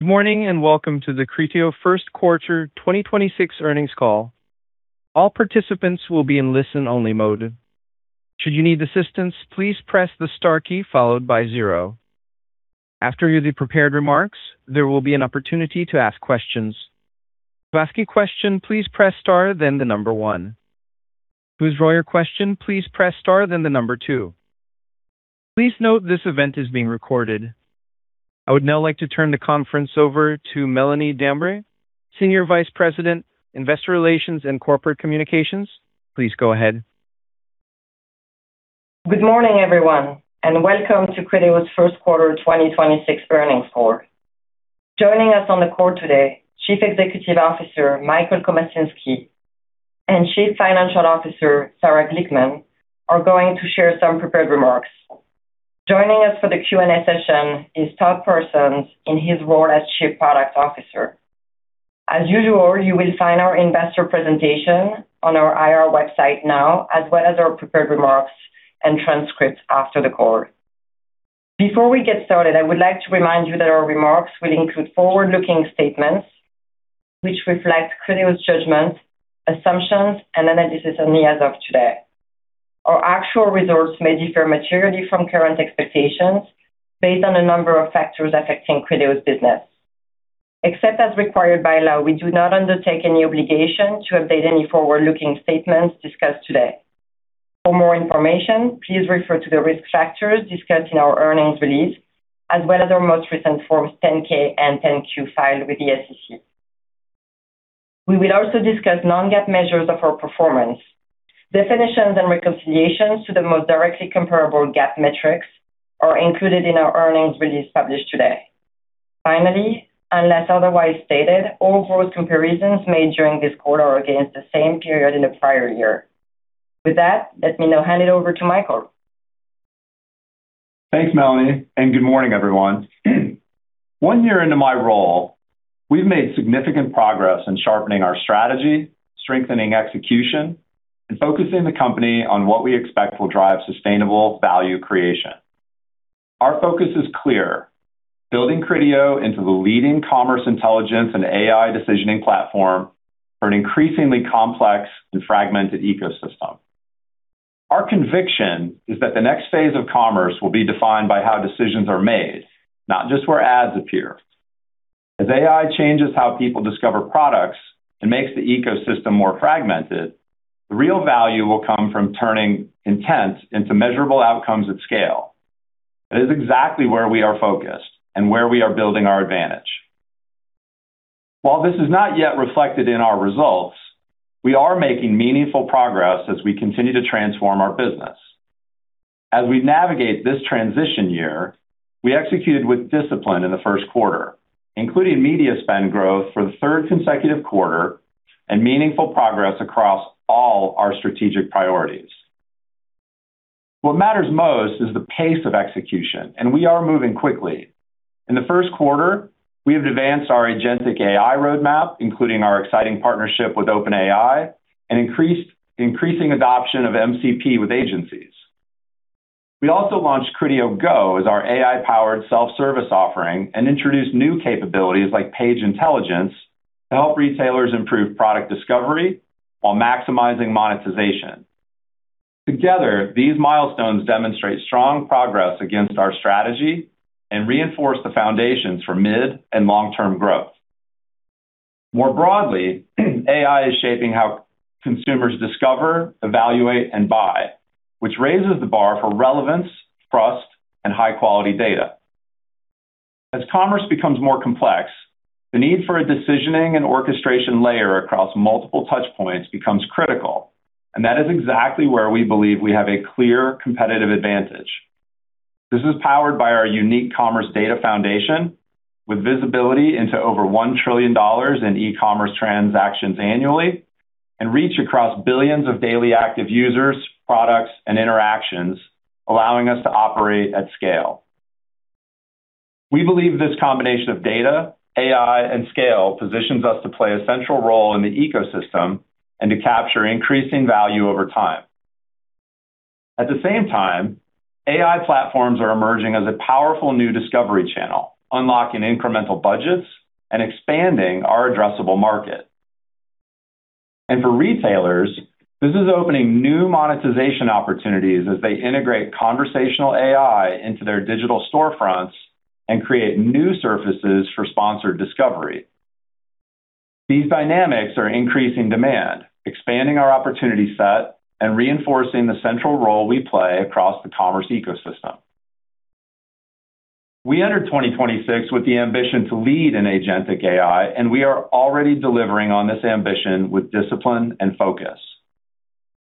Good morning, welcome to the Criteo first quarter 2026 earnings call. All participants will be in listen-only mode. Should you need assistance, please press the star key followed by zero. After the prepared remarks, there will be an opportunity to ask questions. To ask a question, please press star then the number one. To withdraw your question, please press star then the number two. Please note this event is being recorded. I would now like to turn the conference over to Melanie Dambre, Senior Vice President, Investor Relations and Corporate Communications. Please go ahead. Good morning, everyone, and welcome to Criteo's first quarter 2026 earnings call. Joining us on the call today, Chief Executive Officer Michael Komasinski and Chief Financial Officer Sarah Glickman are going to share some prepared remarks. Joining us for the Q&A session is Todd Parsons in his role as Chief Product Officer. As usual, you will find our investor presentation on our IR website now, as well as our prepared remarks and transcripts after the call. Before we get started, I would like to remind you that our remarks will include forward-looking statements which reflect Criteo's judgments, assumptions, and analysis only as of today. Our actual results may differ materially from current expectations based on a number of factors affecting Criteo's business. Except as required by law, we do not undertake any obligation to update any forward-looking statements discussed today. For more information, please refer to the risk factors discussed in our earnings release as well as our most recent Forms 10-K and 10-Q filed with the SEC. We will also discuss non-GAAP measures of our performance. Definitions and reconciliations to the most directly comparable GAAP metrics are included in our earnings release published today. Unless otherwise stated, all growth comparisons made during this quarter are against the same period in the prior year. With that, let me now hand it over to Michael. Thanks, Melanie. Good morning, everyone. One year into my role, we've made significant progress in sharpening our strategy, strengthening execution, and focusing the company on what we expect will drive sustainable value creation. Our focus is clear: building Criteo into the leading commerce intelligence and AI decisioning platform for an increasingly complex and fragmented ecosystem. Our conviction is that the next phase of commerce will be defined by how decisions are made, not just where ads appear. As AI changes how people discover products and makes the ecosystem more fragmented, the real value will come from turning intent into measurable outcomes at scale. That is exactly where we are focused and where we are building our advantage. While this is not yet reflected in our results, we are making meaningful progress as we continue to transform our business. As we navigate this transition year, we executed with discipline in the first quarter, including media spend growth for the third consecutive quarter and meaningful progress across all our strategic priorities. What matters most is the pace of execution, and we are moving quickly. In the first quarter, we have advanced our agentic AI roadmap, including our exciting partnership with OpenAI and increasing adoption of MCP with agencies. We also launched Criteo GO as our AI-powered self-service offering and introduced new capabilities like Page Intelligence to help retailers improve product discovery while maximizing monetization. Together, these milestones demonstrate strong progress against our strategy and reinforce the foundations for mid and long-term growth. More broadly, AI is shaping how consumers discover, evaluate, and buy, which raises the bar for relevance, trust, and high-quality data. As commerce becomes more complex, the need for a decisioning and orchestration layer across multiple touchpoints becomes critical, and that is exactly where we believe we have a clear competitive advantage. This is powered by our unique commerce data foundation with visibility into over $1 trillion in e-commerce transactions annually and reach across billions of daily active users, products, and interactions, allowing us to operate at scale. We believe this combination of data, AI, and scale positions us to play a central role in the ecosystem and to capture increasing value over time. At the same time, AI platforms are emerging as a powerful new discovery channel, unlocking incremental budgets and expanding our addressable market. For retailers, this is opening new monetization opportunities as they integrate conversational AI into their digital storefronts and create new surfaces for sponsored discovery. These dynamics are increasing demand, expanding our opportunity set, and reinforcing the central role we play across the commerce ecosystem. We entered 2026 with the ambition to lead in agentic AI, we are already delivering on this ambition with discipline and focus.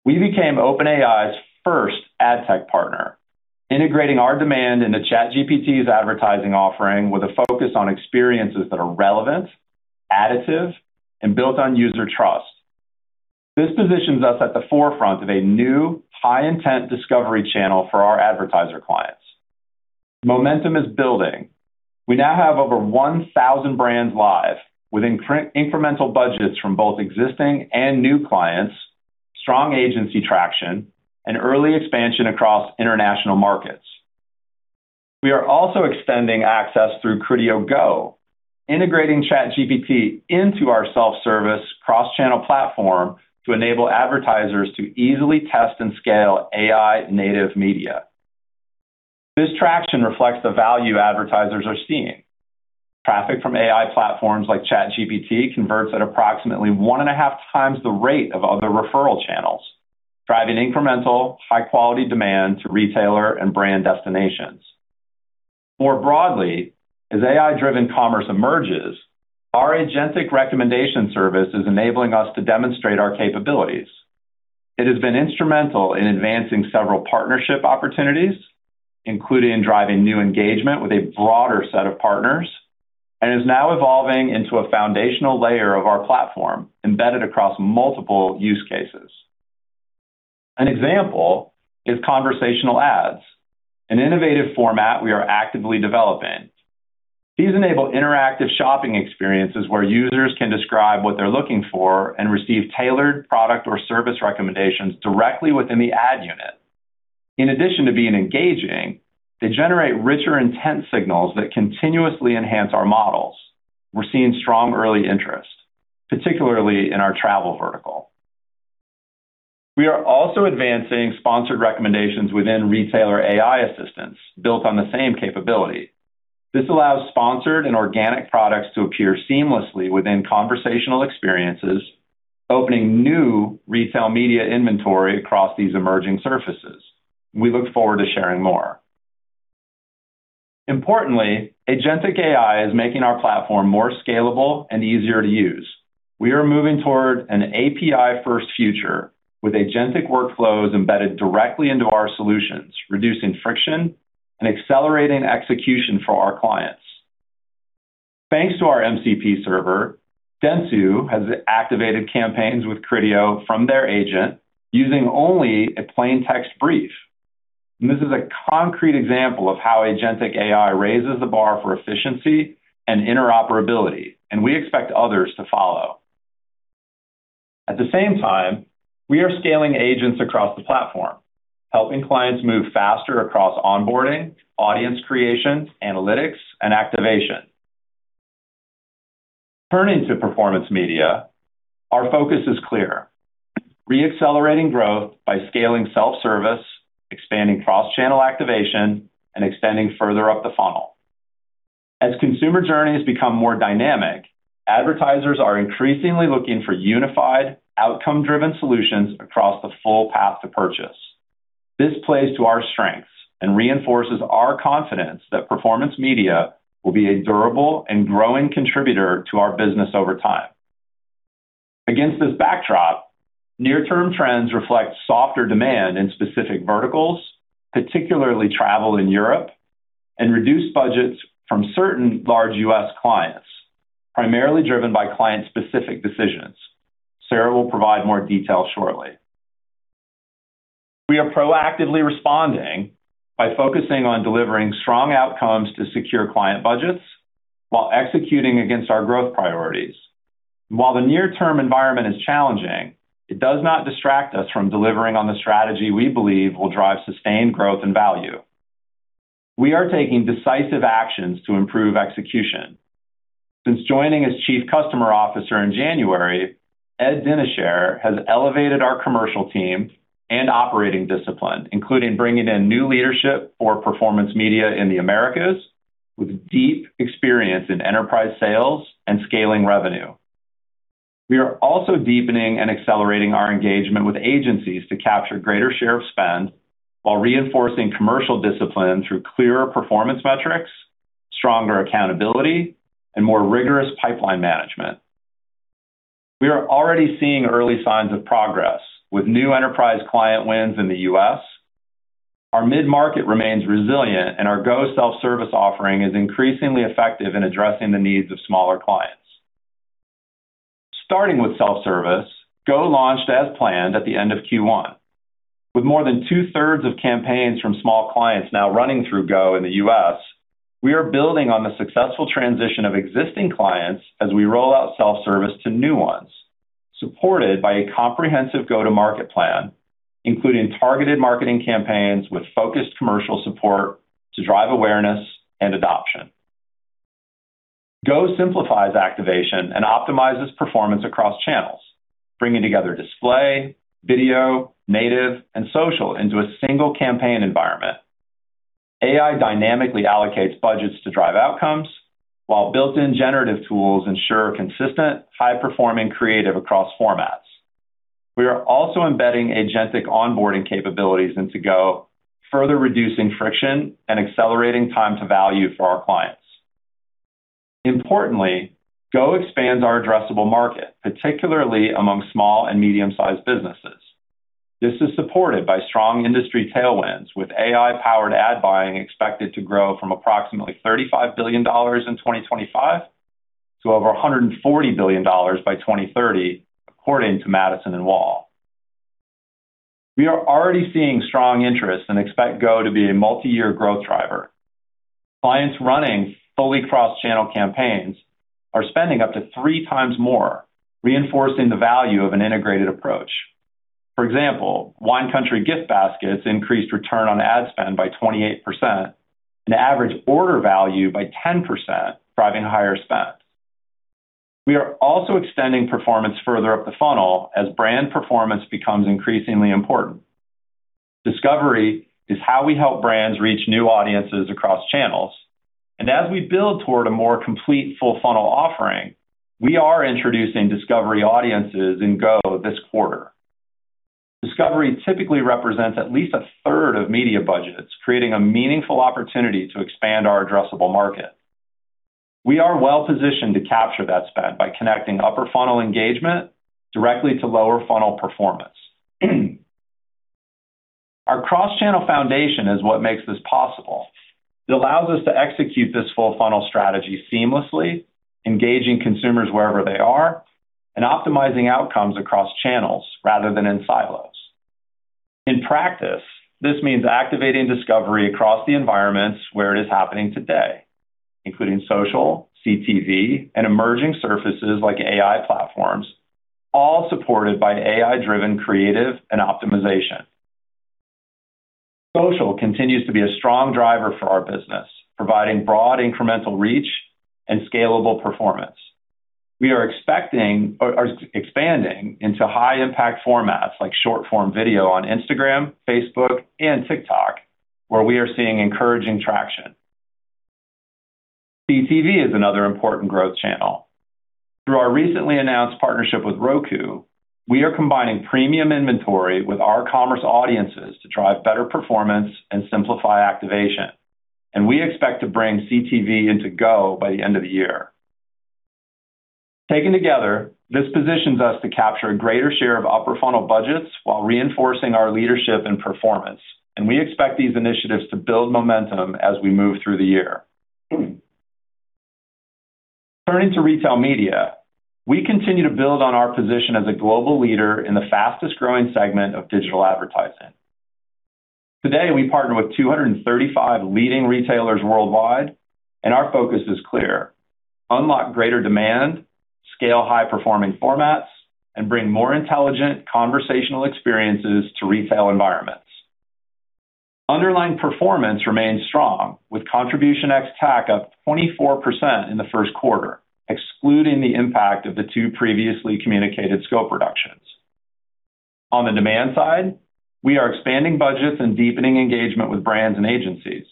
We became OpenAI's first ad tech partner, integrating our demand into ChatGPT's advertising offering with a focus on experiences that are relevant, additive, and built on user trust. This positions us at the forefront of a new high-intent discovery channel for our advertiser clients. Momentum is building. We now have over 1,000 brands live with incremental budgets from both existing and new clients. Strong agency traction and early expansion across international markets. We are also extending access through Criteo GO, integrating ChatGPT into our self-service cross-channel platform to enable advertisers to easily test and scale AI-native media. This traction reflects the value advertisers are seeing. Traffic from AI platforms like ChatGPT converts at approximately one and a half times the rate of other referral channels, driving incremental, high-quality demand to retailer and brand destinations. More broadly, as AI-driven commerce emerges, our agentic recommendation service is enabling us to demonstrate our capabilities. It has been instrumental in advancing several partnership opportunities, including driving new engagement with a broader set of partners, and is now evolving into a foundational layer of our platform embedded across multiple use cases. An example is conversational ads, an innovative format we are actively developing. These enable interactive shopping experiences where users can describe what they're looking for and receive tailored product or service recommendations directly within the ad unit. In addition to being engaging, they generate richer intent signals that continuously enhance our models. We're seeing strong early interest, particularly in our travel vertical. We are also advancing sponsored recommendations within retailer AI assistants built on the same capability. This allows sponsored and organic products to appear seamlessly within conversational experiences, opening new Retail Media inventory across these emerging surfaces. We look forward to sharing more. Importantly, agentic AI is making our platform more scalable and easier to use. We are moving toward an API-first future with agentic workflows embedded directly into our solutions, reducing friction and accelerating execution for our clients. Thanks to our MCP server, Dentsu has activated campaigns with Criteo from their agent using only a plain text brief. This is a concrete example of how agentic AI raises the bar for efficiency and interoperability, we expect others to follow. At the same time, we are scaling agents across the platform, helping clients move faster across onboarding, audience creation, analytics, and activation. Turning to Performance Media, our focus is clear: re-accelerating growth by scaling self-service, expanding cross-channel activation, and extending further up the funnel. As consumer journeys become more dynamic, advertisers are increasingly looking for unified, outcome-driven solutions across the full path to purchase. This plays to our strengths and reinforces our confidence that Performance Media will be a durable and growing contributor to our business over time. Against this backdrop, near-term trends reflect softer demand in specific verticals, particularly travel in Europe, and reduced budgets from certain large U.S. clients, primarily driven by client-specific decisions. Sarah will provide more detail shortly. We are proactively responding by focusing on delivering strong outcomes to secure client budgets while executing against our growth priorities. While the near-term environment is challenging, it does not distract us from delivering on the strategy we believe will drive sustained growth and value. We are taking decisive actions to improve execution. Since joining as Chief Customer Officer in January, Ed Dinichert has elevated our commercial team and operating discipline, including bringing in new leadership for Performance Media in the Americas with deep experience in enterprise sales and scaling revenue. We are also deepening and accelerating our engagement with agencies to capture greater share of spend while reinforcing commercial discipline through clearer performance metrics, stronger accountability, and more rigorous pipeline management. We are already seeing early signs of progress with new enterprise client wins in the U.S. Our mid-market remains resilient, and our GO self-service offering is increasingly effective in addressing the needs of smaller clients. Starting with self-service, GO launched as planned at the end of Q1. With more than 2/3 of campaigns from small clients now running through GO in the U.S., we are building on the successful transition of existing clients as we roll out self-service to new ones, supported by a comprehensive go-to-market plan, including targeted marketing campaigns with focused commercial support to drive awareness and adoption. GO simplifies activation and optimizes performance across channels, bringing together display, video, native, and social into a single campaign environment. AI dynamically allocates budgets to drive outcomes while built-in generative tools ensure consistent, high-performing creative across formats. We are also embedding agentic onboarding capabilities into GO, further reducing friction and accelerating time to value for our clients. Importantly, GO expands our addressable market, particularly among small and medium-sized businesses. This is supported by strong industry tailwinds, with AI-powered ad buying expected to grow from approximately $35 billion in 2025 to over $140 billion by 2030, according to Madison and Wall. We are already seeing strong interest and expect GO to be a multi-year growth driver. Clients running fully cross-channel campaigns are spending up to three times more, reinforcing the value of an integrated approach. For example, Wine Country Gift Baskets increased return on ad spend by 28% and average order value by 10%, driving higher spend. We are also extending performance further up the funnel as brand performance becomes increasingly important. Discovery is how we help brands reach new audiences across channels, and as we build toward a more complete full-funnel offering, we are introducing discovery audiences in GO this quarter. Discovery typically represents at least a third of media budgets, creating a meaningful opportunity to expand our addressable market. We are well-positioned to capture that spend by connecting upper funnel engagement directly to lower funnel performance. Our cross-channel foundation is what makes this possible. It allows us to execute this full funnel strategy seamlessly, engaging consumers wherever they are, and optimizing outcomes across channels rather than in silos. In practice, this means activating discovery across the environments where it is happening today, including social, CTV, and emerging surfaces like AI platforms, all supported by AI-driven creative and optimization. Social continues to be a strong driver for our business, providing broad incremental reach and scalable performance. We are expanding into high impact formats like short form video on Instagram, Facebook and TikTok, where we are seeing encouraging traction. CTV is another important growth channel. Through our recently announced partnership with Roku, we are combining premium inventory with our commerce audiences to drive better performance and simplify activation. We expect to bring CTV into GO by the end of the year. Taken together, this positions us to capture a greater share of upper funnel budgets while reinforcing our leadership and performance. We expect these initiatives to build momentum as we move through the year. Turning to Retail Media, we continue to build on our position as a global leader in the fastest-growing segment of digital advertising. Today, we partner with 235 leading retailers worldwide. Our focus is clear: unlock greater demand, scale high-performing formats, and bring more intelligent conversational experiences to retail environments. Underlying performance remains strong, with Contribution ex-TAC up 24% in the first quarter, excluding the impact of the two previously communicated scope reductions. On the demand side, we are expanding budgets and deepening engagement with brands and agencies.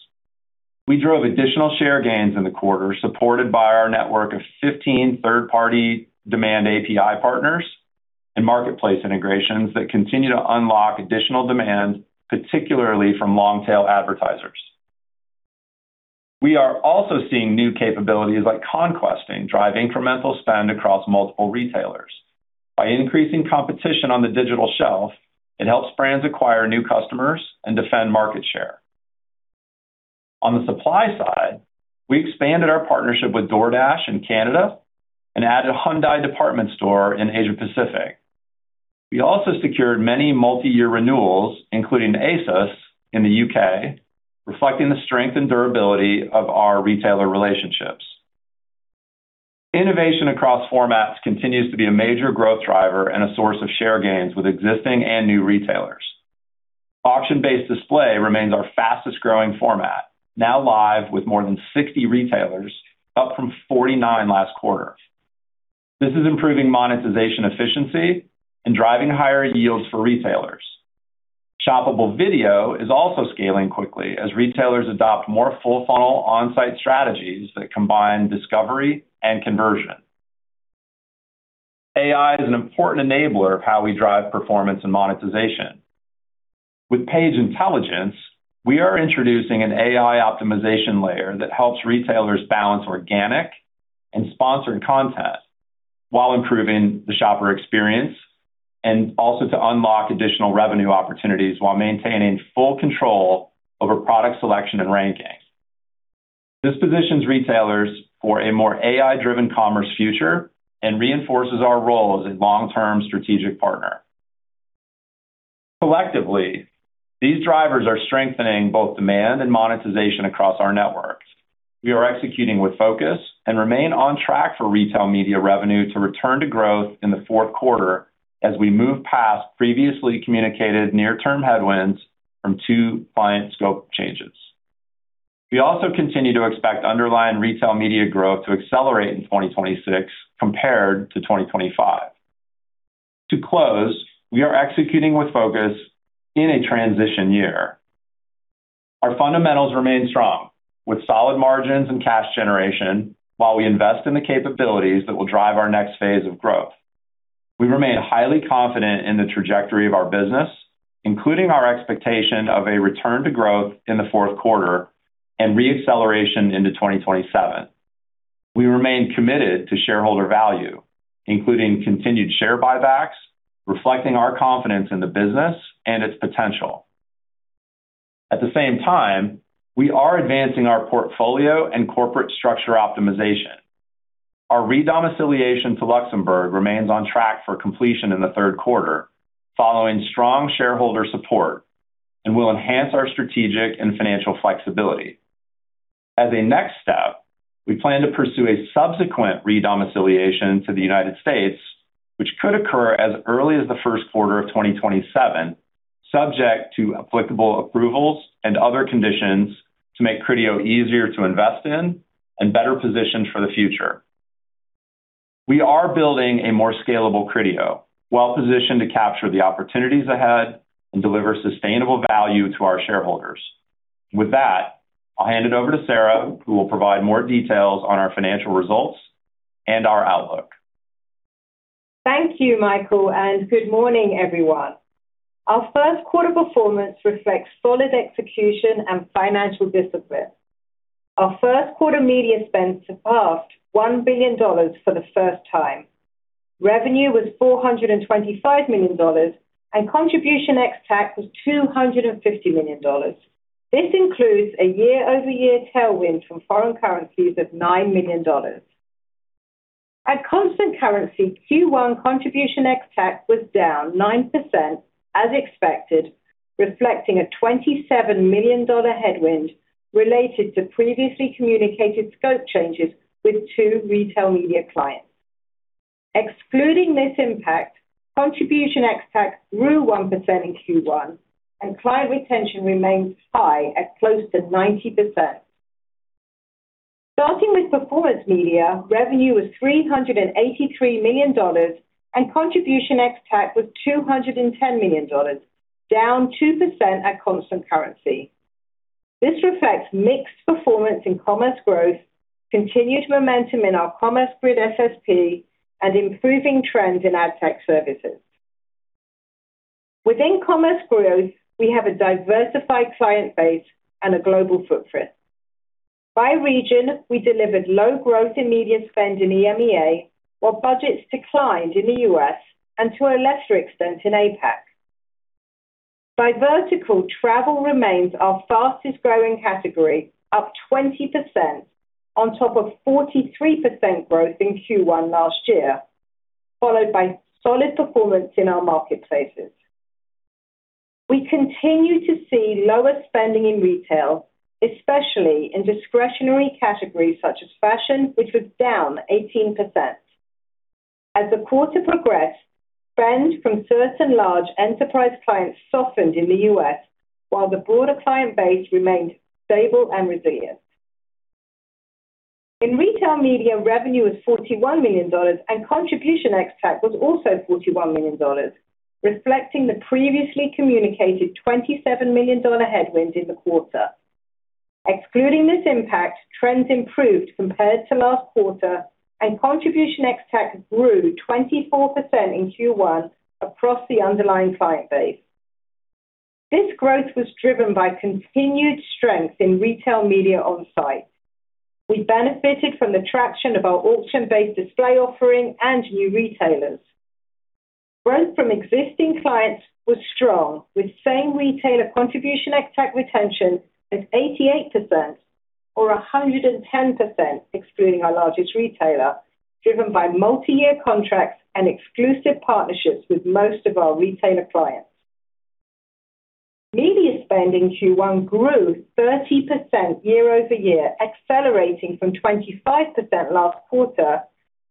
We drove additional share gains in the quarter, supported by our network of 15 third-party demand API partners and marketplace integrations that continue to unlock additional demand, particularly from long-tail advertisers. We are also seeing new capabilities like conquesting drive incremental spend across multiple retailers. By increasing competition on the digital shelf, it helps brands acquire new customers and defend market share. On the supply side, we expanded our partnership with DoorDash in Canada and added Hyundai Department Store in Asia-Pacific. We also secured many multi-year renewals, including ASOS in the U.K., reflecting the strength and durability of our retailer relationships. Innovation across formats continues to be a major growth driver and a source of share gains with existing and new retailers. Auction-Based Display remains our fastest-growing format, now live with more than 60 retailers, up from 49 last quarter. This is improving monetization efficiency and driving higher yields for retailers. shoppable video is also scaling quickly as retailers adopt more full-funnel on-site strategies that combine discovery and conversion. AI is an important enabler of how we drive performance and monetization. With Page Intelligence, we are introducing an AI optimization layer that helps retailers balance organic and sponsored content while improving the shopper experience, and also to unlock additional revenue opportunities while maintaining full control over product selection and rankings. This positions retailers for a more AI-driven commerce future and reinforces our role as a long-term strategic partner. Collectively, these drivers are strengthening both demand and monetization across our networks. We are executing with focus and remain on track for Retail Media revenue to return to growth in the fourth quarter as we move past previously communicated near-term headwinds from 2 client scope changes. We also continue to expect underlying Retail Media growth to accelerate in 2026 compared to 2025. To close, we are executing with focus in a transition year. Our fundamentals remain strong with solid margins and cash generation while we invest in the capabilities that will drive our next phase of growth. We remain highly confident in the trajectory of our business, including our expectation of a return to growth in the fourth quarter and re-acceleration into 2027. We remain committed to shareholder value, including continued share buybacks, reflecting our confidence in the business and its potential. At the same time, we are advancing our portfolio and corporate structure optimization. Our re-domiciliation to Luxembourg remains on track for completion in the third quarter, following strong shareholder support and will enhance our strategic and financial flexibility. As a next step, we plan to pursue a subsequent re-domiciliation to the United States, which could occur as early as the first quarter of 2027, subject to applicable approvals and other conditions to make Criteo easier to invest in and better positioned for the future. We are building a more scalable Criteo, well-positioned to capture the opportunities ahead and deliver sustainable value to our shareholders. With that, I'll hand it over to Sarah, who will provide more details on our financial results and our outlook. Thank you, Michael, and good morning, everyone. Our first quarter performance reflects solid execution and financial discipline. Our first quarter media spend surpassed $1 billion for the first time. Revenue was $425 million and Contribution ex-TAC was $250 million. This includes a year-over-year tailwind from foreign currencies of $9 million. At constant currency, Q1 Contribution ex-TAC was down 9% as expected, reflecting a $27 million headwind related to previously communicated scope changes with two Retail Media clients. Excluding this impact, Contribution ex-TAC grew 1% in Q1, and client retention remains high at close to 90%. Starting with Performance Media, revenue was $383 million and Contribution ex-TAC was $210 million, down 2% at constant currency. This reflects mixed performance in Commerce Growth, continued momentum in our Commerce Grid SSP, and improving trends in ad tech services. Within Commerce Growth, we have a diversified client base and a global footprint. By region, we delivered low growth in media spend in EMEA, while budgets declined in the U.S. and to a lesser extent in APAC. By vertical, travel remains our fastest-growing category, up 20% on top of 43% growth in Q1 last year, followed by solid performance in our marketplaces. We continue to see lower spending in retail, especially in discretionary categories such as fashion, which was down 18%. As the quarter progressed, spend from certain large enterprise clients softened in the U.S., while the broader client base remained stable and resilient. In Retail Media, revenue was $41 million and Contribution ex-TAC was also $41 million, reflecting the previously communicated $27 million headwind in the quarter. Excluding this impact, trends improved compared to last quarter and Contribution ex-TAC grew 24% in Q1 across the underlying client base. This growth was driven by continued strength in Retail Media on-site. We benefited from the traction of our Auction-Based Display offering and new retailers. Growth from existing clients was strong, with same retailer Contribution ex-TAC retention at 88% or 110% excluding our largest retailer, driven by multi-year contracts and exclusive partnerships with most of our retailer clients. Media spending in Q1 grew 30% year-over-year, accelerating from 25% last quarter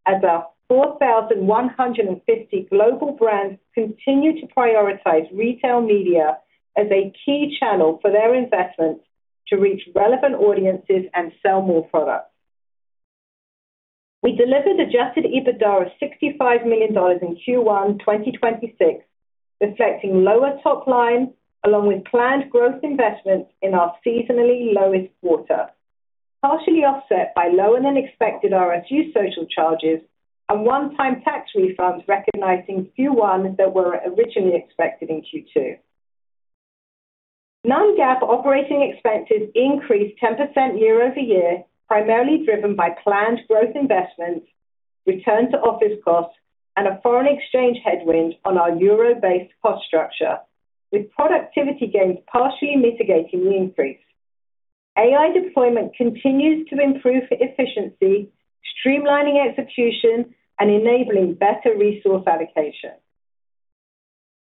as our 4,150 global brands continue to prioritize Retail Media as a key channel for their investments to reach relevant audiences and sell more products. We delivered adjusted EBITDA of $65 million in Q1 2026, reflecting lower top line along with planned growth investments in our seasonally lowest quarter, partially offset by lower-than-expected RSU social charges and one-time tax refunds recognizing Q1 that were originally expected in Q2. Non-GAAP operating expenses increased 10% year-over-year, primarily driven by planned growth investments, return to office costs, and a foreign exchange headwind on our euro-based cost structure, with productivity gains partially mitigating the increase. AI deployment continues to improve efficiency, streamlining execution and enabling better resource allocation.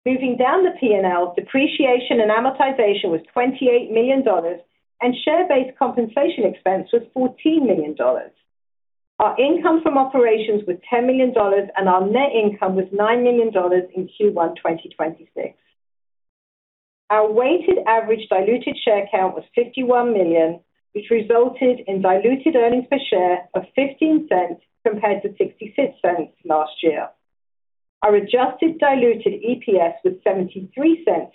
Moving down the P&L, depreciation and amortization was $28 million, and share-based compensation expense was $14 million. Our income from operations was $10 million, and our net income was $9 million in Q1 2026. Our weighted average diluted share count was 51 million, which resulted in diluted earnings per share of $0.15 compared to $0.66 last year. Our adjusted diluted EPS was $0.73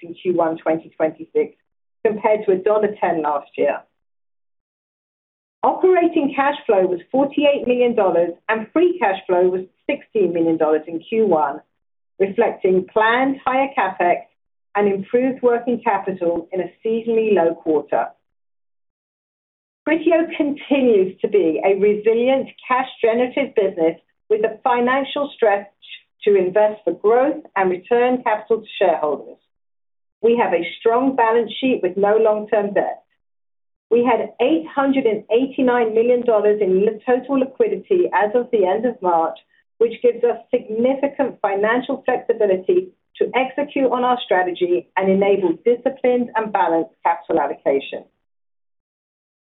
in Q1 2026 compared to $1.10 last year. Operating cash flow was $48 million, and free cash flow was $16 million in Q1, reflecting planned higher CapEx and improved working capital in a seasonally low quarter. Criteo continues to be a resilient cash-generative business with the financial strength to invest for growth and return capital to shareholders. We have a strong balance sheet with no long-term debt. We had $889 million in total liquidity as of the end of March, which gives us significant financial flexibility to execute on our strategy and enable disciplined and balanced capital allocation.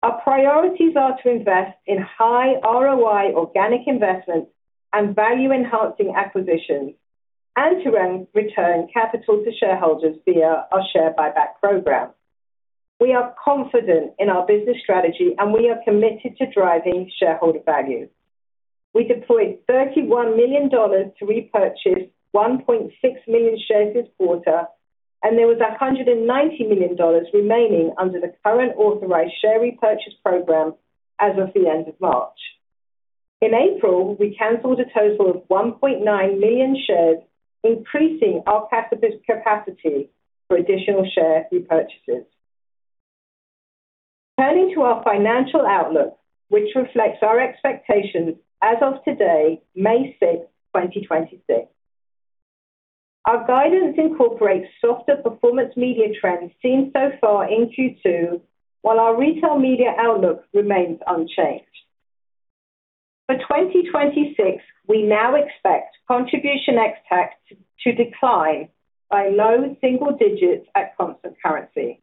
Our priorities are to invest in high ROI organic investments and value-enhancing acquisitions, and to return capital to shareholders via our share buyback program. We are confident in our business strategy, we are committed to driving shareholder value. We deployed $31 million to repurchase 1.6 million shares this quarter, there was $190 million remaining under the current authorized share repurchase program as of the end of March. In April, we canceled a total of 1.9 million shares, increasing our capacity for additional share repurchases. Turning to our financial outlook, which reflects our expectations as of today, May 6, 2026. Our guidance incorporates softer Performance Media trends seen so far in Q2, while our Retail Media outlook remains unchanged. For 2026, we now expect Contribution ex-TAC to decline by low single digits at constant currency.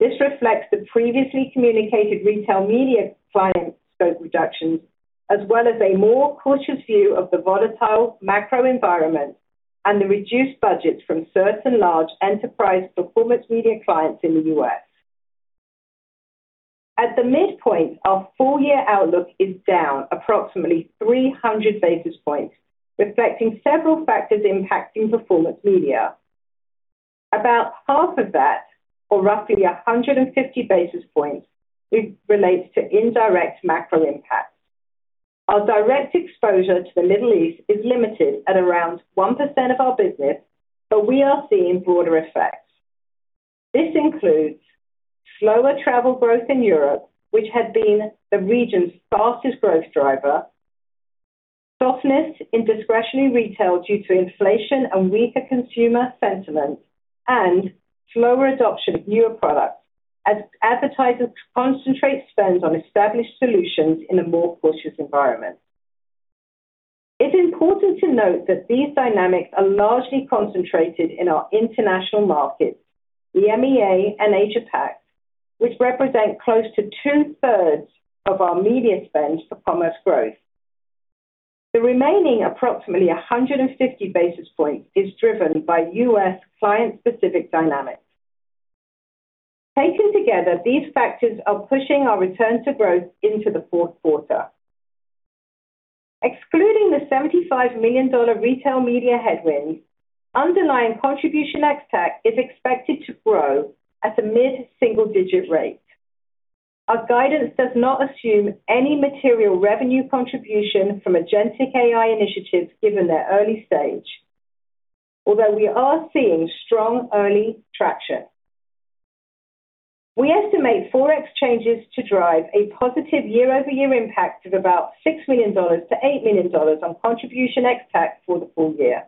This reflects the previously communicated Retail Media client scope reductions, as well as a more cautious view of the volatile macro environment and the reduced budgets from certain large enterprise Performance Media clients in the U.S. At the midpoint, our full year outlook is down approximately 300 basis points, reflecting several factors impacting Performance Media. About half of that, or roughly 150 basis points, relates to indirect macro impacts. Our direct exposure to the Middle East is limited at around 1% of our business, but we are seeing broader effects. This includes slower travel growth in Europe, which had been the region's fastest growth driver, softness in discretionary retail due to inflation and weaker consumer sentiment, and slower adoption of newer products as advertisers concentrate spend on established solutions in a more cautious environment. It's important to note that these dynamics are largely concentrated in our international markets, EMEA and Asia Pac, which represent close to 2/3 of our media spend for Commerce Growth. The remaining approximately 150 basis points is driven by U.S. client-specific dynamics. Taken together, these factors are pushing our return to growth into the fourth quarter. Excluding the $75 million Retail Media headwind, underlying Contribution ex-TAC is expected to grow at a mid-single digit rate. Our guidance does not assume any material revenue contribution from agentic AI initiatives given their early stage, although we are seeing strong early traction. We estimate ForEx changes to drive a positive year-over-year impact of about $6 million-$8 million on Contribution ex-TAC for the full year.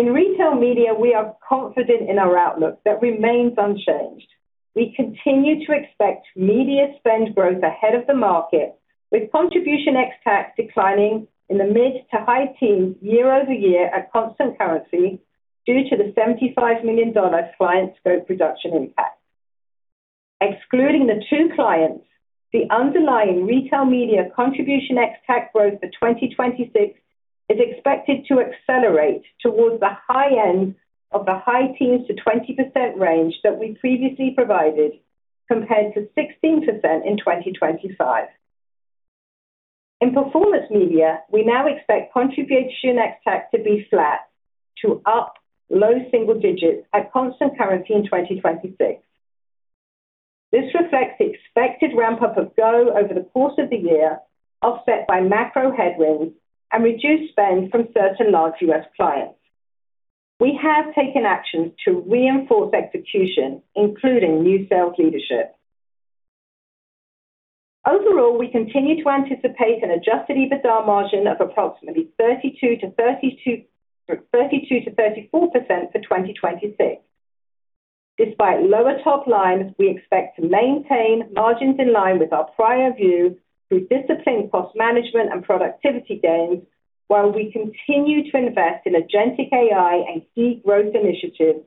In Retail Media, we are confident in our outlook that remains unchanged. We continue to expect media spend growth ahead of the market, with Contribution ex-TAC declining in the mid to high teens year-over-year at constant currency due to the $75 million client scope reduction impact. Excluding the two clients, the underlying Retail Media Contribution ex-TAC growth for 2026 is expected to accelerate towards the high end of the high teens-20% range that we previously provided, compared to 16% in 2025. In Performance Media, we now expect Contribution ex-TAC to be flat to up low single digits at constant currency in 2026. This reflects the expected ramp-up of GO over the course of the year, offset by macro headwinds and reduced spend from certain large U.S. clients. We have taken actions to reinforce execution, including new sales leadership. Overall, we continue to anticipate an Adjusted EBITDA margin of approximately 32%-34% for 2026. Despite lower top line, we expect to maintain margins in line with our prior view through disciplined cost management and productivity gains, while we continue to invest in agentic AI and key growth initiatives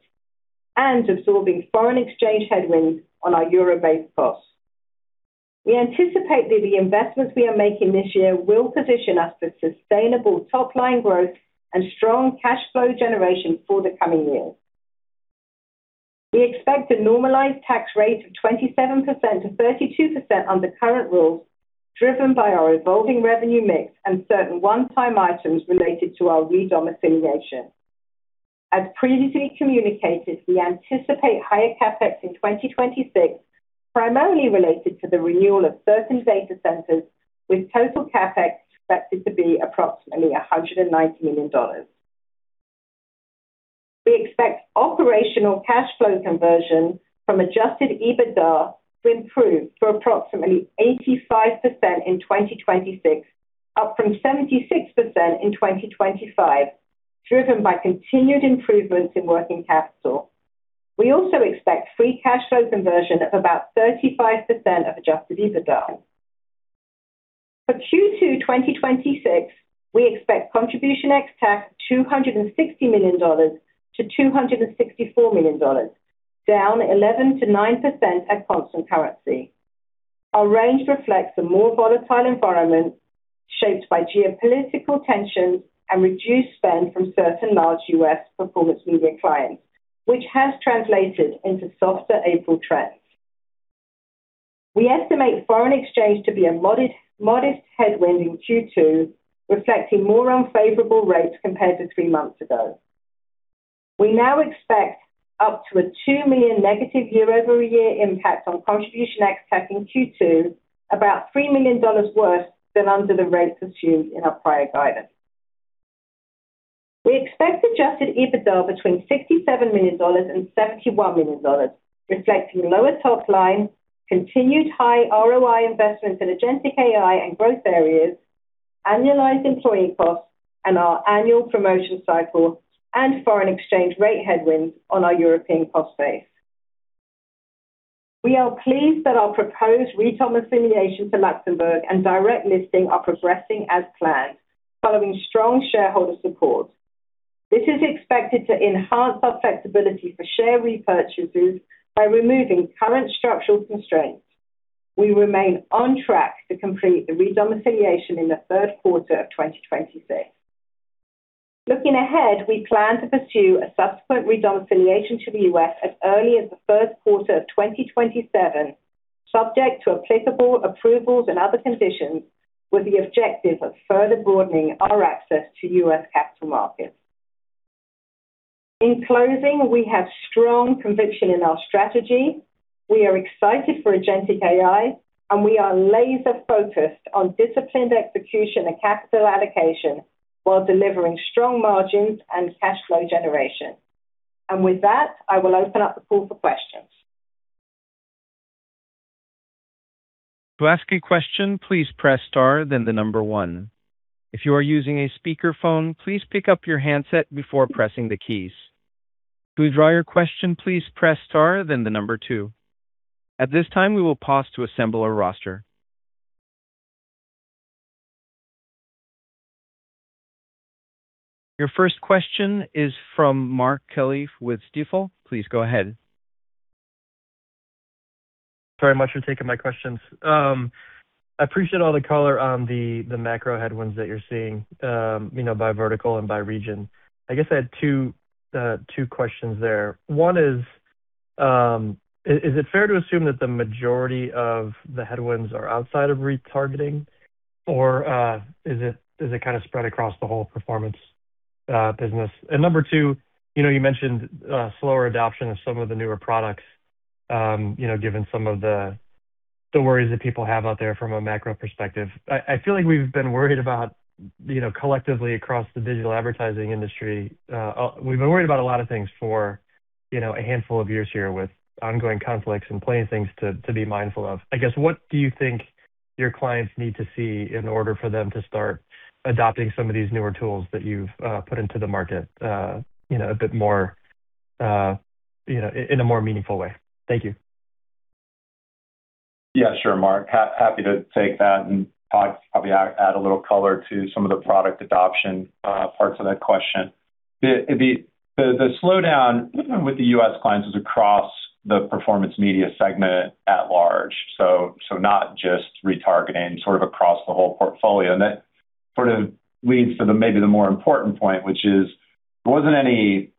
and absorbing foreign exchange headwinds on our EUR-based costs. We anticipate that the investments we are making this year will position us for sustainable top-line growth and strong cash flow generation for the coming years. We expect a normalized tax rate of 27% to 32% under current rules, driven by our evolving revenue mix and certain one-time items related to our redomiciliation. As previously communicated, we anticipate higher CapEx in 2026, primarily related to the renewal of certain data centers, with total CapEx expected to be approximately $190 million. We expect operational cash flow conversion from adjusted EBITDA to improve to approximately 85% in 2026, up from 76% in 2025, driven by continued improvements in working capital. We also expect free cash flow conversion of about 35% of adjusted EBITDA. For Q2 2026, we expect Contribution ex-TAC $260 million-$264 million, down 11%-9% at constant currency. Our range reflects a more volatile environment shaped by geopolitical tensions and reduced spend from certain large U.S. Performance Media clients, which has translated into softer April trends. We estimate foreign exchange to be a modest headwind in Q2, reflecting more unfavorable rates compared to three months ago. We now expect up to a $2 million negative year-over-year impact on contribution ex-TAC in Q2, about $3 million worse than under the rates assumed in our prior guidance. We expect adjusted EBITDA between $67 million and $71 million, reflecting lower top line, continued high ROI investments in agentic AI and growth areas, annualized employee costs, and our annual promotion cycle and foreign exchange rate headwinds on our European cost base. We are pleased that our proposed redomiciliation to Luxembourg and direct listing are progressing as planned following strong shareholder support. This is expected to enhance our flexibility for share repurchases by removing current structural constraints. We remain on track to complete the redomiciliation in the third quarter of 2026. Looking ahead, we plan to pursue a subsequent redomiciliation to the U.S. as early as the first quarter of 2027, subject to applicable approvals and other conditions, with the objective of further broadening our access to U.S. capital markets. In closing, we have strong conviction in our strategy. We are excited for agentic AI, we are laser-focused on disciplined execution and capital allocation while delivering strong margins and cash flow generation. With that, I will open up the call for questions. To ask a question, please press star, then the number one. If you are using a speakerphone, please pick up your handset before pressing the keys. To withdraw your question, please press star then the number two. At this time, we will pause to assemble our roster. Your first question is from Mark Kelley with Stifel. Please go ahead. Sorry, much for taking my questions. I appreciate all the color on the macro headwinds that you're seeing, you know, by vertical and by region. I guess I had two questions there. One is it fair to assume that the majority of the headwinds are outside of retargeting? Is it kind of spread across the whole performance business? Number two, you know, you mentioned slower adoption of some of the newer products, you know, given some of the worries that people have out there from a macro perspective. I feel like we've been worried about, you know, collectively across the digital advertising industry, we've been worried about a lot of things for, you know, a handful of years here with ongoing conflicts and plenty of things to be mindful of. I guess, what do you think your clients need to see in order for them to start adopting some of these newer tools that you've put into the market, you know, a bit more, you know, in a more meaningful way? Thank you. Yeah, sure, Mark. Happy to take that and Todd probably add a little color to some of the product adoption parts of that question. The slowdown with the U.S. clients is across the Performance Media segment at large. Not just retargeting, sort of across the whole portfolio. That sort of leads to the, maybe the more important point, which is there wasn't any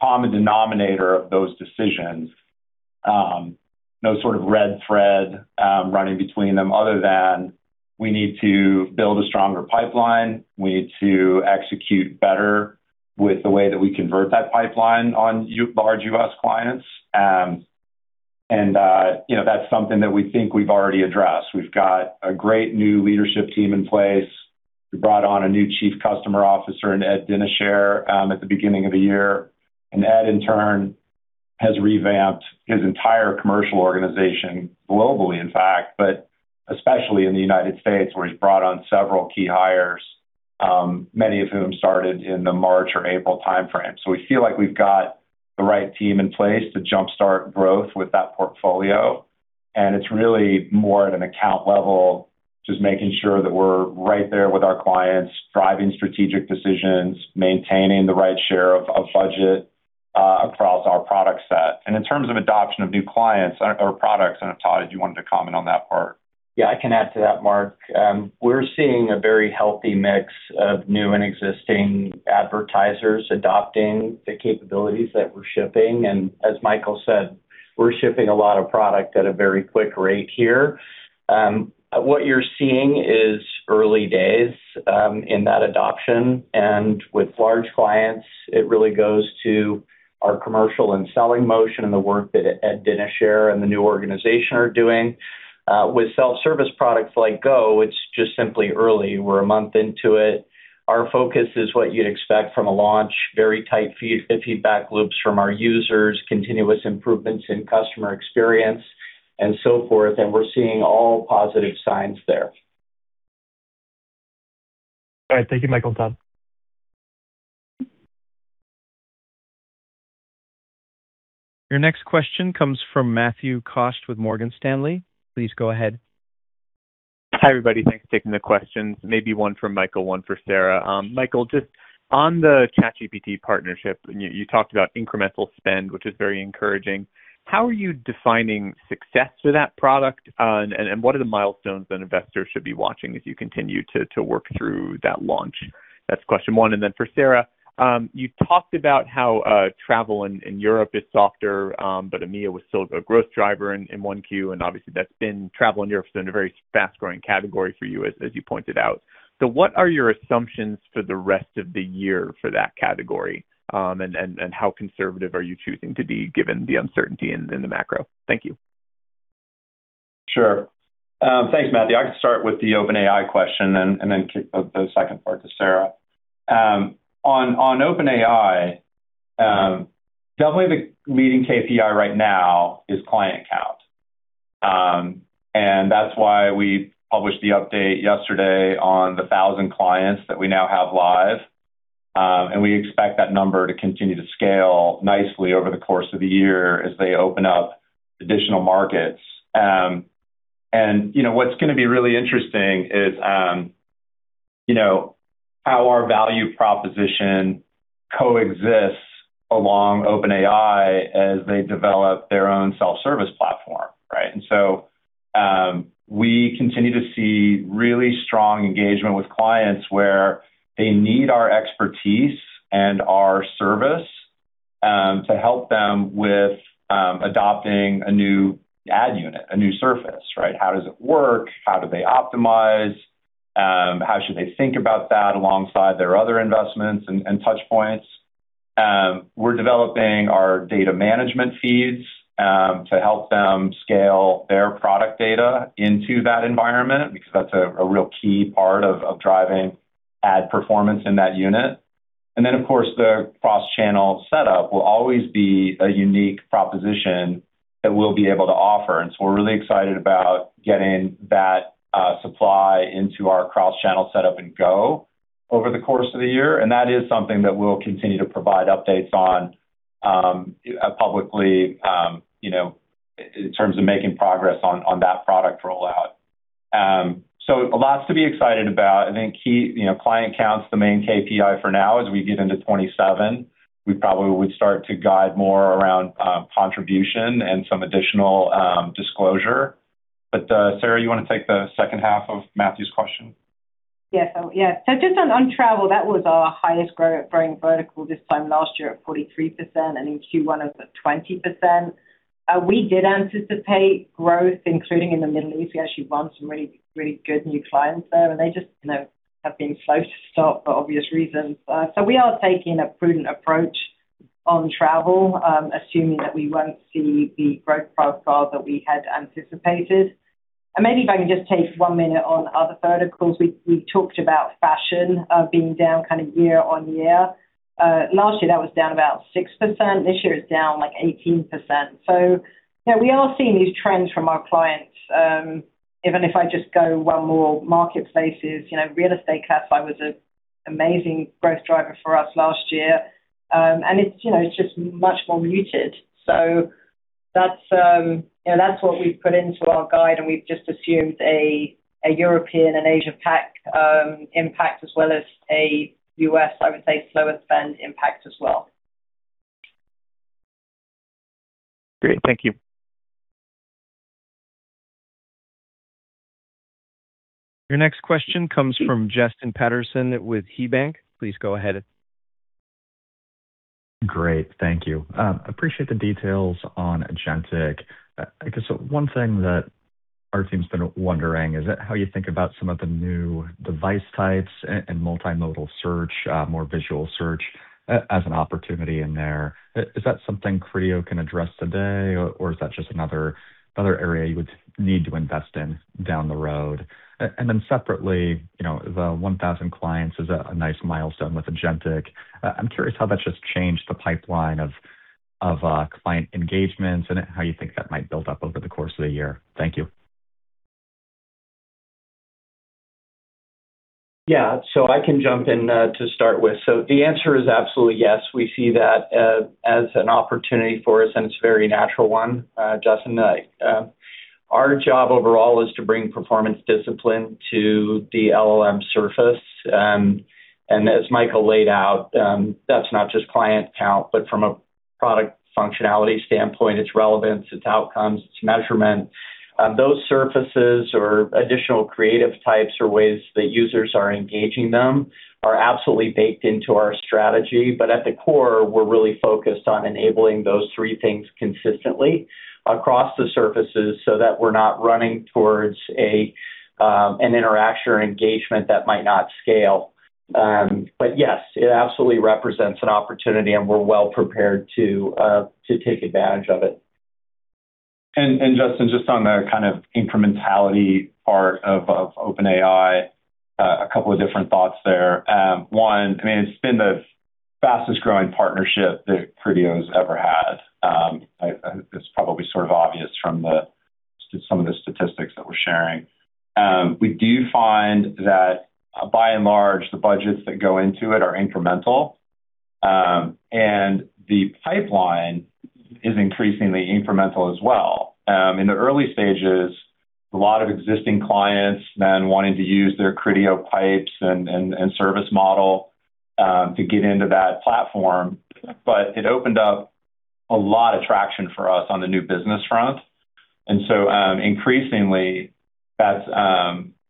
common denominator of those decisions, no sort of red thread running between them other than we need to build a stronger pipeline. We need to execute better with the way that we convert that pipeline on large U.S. clients. You know, that's something that we think we've already addressed. We've got a great new leadership team in place. We brought on a new Chief Customer Officer in Ed Dinichert at the beginning of the year. Ed, in turn, has revamped his entire commercial organization globally, in fact, but especially in the U.S., where he's brought on several key hires, many of whom started in the March or April timeframe. We feel like we've got the right team in place to jumpstart growth with that portfolio, and it's really more at an account level, just making sure that we're right there with our clients, driving strategic decisions, maintaining the right share of budget across our product set. In terms of adoption of new clients or products, I don't know, Todd, if you wanted to comment on that part. Yeah, I can add to that, Mark. We're seeing a very healthy mix of new and existing advertisers adopting the capabilities that we're shipping. As Michael said, we're shipping a lot of product at a very quick rate here. What you're seeing is early days in that adoption. With large clients, it really goes to our commercial and selling motion and the work that Ed Dinichert and the new organization are doing. With self-service products like GO, it's just simply early. We're a month into it. Our focus is what you'd expect from a launch, very tight feedback loops from our users, continuous improvements in customer experience and so forth, we're seeing all positive signs there. All right. Thank you, Michael and Todd. Your next question comes from Matthew Kost with Morgan Stanley. Please go ahead. Hi, everybody. Thanks for taking the questions. Maybe one for Michael, one for Sarah. Michael, just on the ChatGPT partnership, you talked about incremental spend, which is very encouraging. How are you defining success for that product? What are the milestones an investor should be watching as you continue to work through that launch? That's question one. For Sarah, you talked about how travel in Europe is softer, but EMEA was still the growth driver in 1Q, obviously travel in Europe has been a very fast-growing category for you, as you pointed out. What are your assumptions for the rest of the year for that category, how conservative are you choosing to be given the uncertainty in the macro? Thank you. Sure. Thanks, Matthew. I can start with the OpenAI question and then kick the second part to Sarah. On OpenAI, definitely the leading KPI right now is client count. That's why we published the update yesterday on the 1,000 clients that we now have live. We expect that number to continue to scale nicely over the course of the year as they open up additional markets. You know, what's gonna be really interesting is, you know, how our value proposition coexists along OpenAI as they develop their own self-service platform, right? We continue to see really strong engagement with clients where they need our expertise and our service to help them with adopting a new ad unit, a new surface, right? How does it work? How do they optimize? How should they think about that alongside their other investments and touch points? We're developing our data management feeds to help them scale their product data into that environment, because that's a real key part of driving ad performance in that unit. Of course, the cross-channel setup will always be a unique proposition that we'll be able to offer. We're really excited about getting that supply into our cross-channel setup in GO over the course of the year, and that is something that we'll continue to provide updates on publicly, you know, in terms of making progress on that product rollout. Lots to be excited about. I think key, you know, client count's the main KPI for now. As we get into 2027, we probably would start to guide more around contribution and some additional disclosure. Sarah, you wanna take the second half of Matthew's question? Yes. Just on travel, that was our highest growing vertical this time last year at 43%. In Q1 it was at 20%. We did anticipate growth, including in the Middle East. We actually won some really, really good new clients there, and they just, you know, have been slow to start for obvious reasons. We are taking a prudent approach on travel, assuming that we won't see the growth profile that we had anticipated. Maybe if I can just take one minute on other verticals. We talked about fashion, being down kind of year-on-year. Last year that was down about 6%. This year it's down, like, 18%. You know, we are seeing these trends from our clients. Even if I just go one more marketplaces, you know, real estate classifieds was an amazing growth driver for us last year. It's, you know, it's just much more muted. That's, you know, that's what we've put into our guide, and we've just assumed a European and Asia Pac impact as well as a U.S., I would say, slower spend impact as well. Great. Thank you. Your next question comes from Justin Patterson with KeyBanc. Please go ahead. Great. Thank you. Appreciate the details on Agentic. I guess one thing that our team's been wondering is how you think about some of the new device types and multimodal search, more visual search as an opportunity in there. Is that something Criteo can address today or is that just another area you would need to invest in down the road? Separately, you know, the 1,000 clients is a nice milestone with Agentic. I'm curious how that's just changed the pipeline of client engagements and how you think that might build up over the course of the year. Thank you. Yeah. I can jump in to start with. The answer is absolutely yes. We see that as an opportunity for us, and it's a very natural one. Justin, our job overall is to bring performance discipline to the LLM surface. As Michael laid out, that's not just client count, but from a product functionality standpoint, it's relevance, it's outcomes, it's measurement. Those surfaces or additional creative types or ways that users are engaging them are absolutely baked into our strategy. At the core, we're really focused on enabling those three things consistently across the surfaces so that we're not running towards an interaction or engagement that might not scale. Yes, it absolutely represents an opportunity, and we're well-prepared to take advantage of it. Justin, just on the kind of incrementality part of OpenAI, a couple of different thoughts there. One, I mean, it's been the fastest-growing partnership that Criteo's ever had. I mean, it's probably sort of obvious from some of the statistics that we're sharing. We do find that by and large, the budgets that go into it are incremental. The pipeline is increasingly incremental as well. In the early stages, a lot of existing clients then wanting to use their Criteo pipes and service model to get into that platform. It opened up a lot of traction for us on the new business front. Increasingly, that's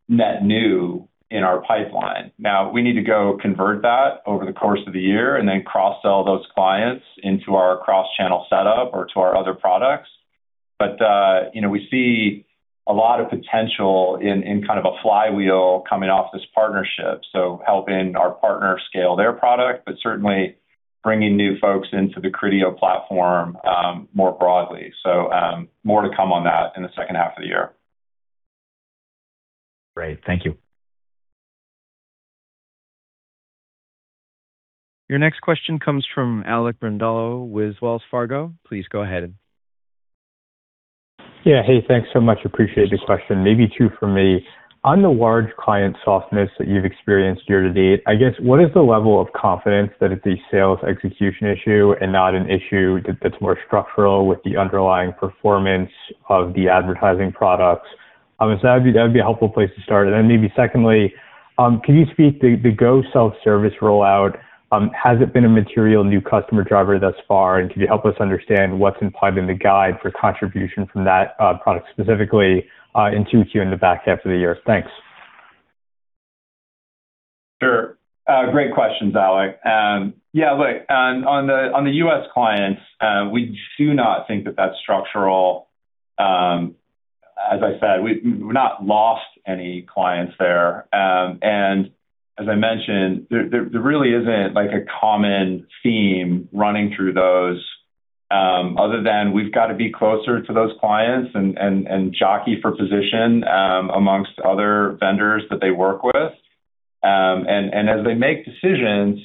net new in our pipeline. We need to go convert that over the course of the year and then cross-sell those clients into our cross-channel setup or to our other products. You know, we see a lot of potential in kind of a flywheel coming off this partnership. Helping our partners scale their product, but certainly bringing new folks into the Criteo platform more broadly. More to come on that in the second half of the year. Great. Thank you. Your next question comes from Alec Brondolo with Wells Fargo. Please go ahead. Yeah. Hey, thanks so much. Appreciate it. A question maybe two for me. On the large client softness that you've experienced year-to-date, I guess, what is the level of confidence that it's a sales execution issue and not an issue that's more structural with the underlying performance of the advertising products? That'd be a helpful place to start. Maybe secondly, can you speak to the Criteo GO self-service rollout, has it been a material new customer driver thus far? Can you help us understand what's implied in the guide for contribution from that product specifically in Q2 and the back half of the year? Thanks. Sure. Great questions, Alec. Yeah, look, on the U.S. clients, we do not think that that's structural. As I said, we've not lost any clients there. As I mentioned, there really isn't like a common theme running through those, other than we've got to be closer to those clients and jockey for position amongst other vendors that they work with. As they make decisions,